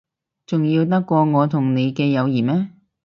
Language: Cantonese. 重要得過我同你嘅友誼咩？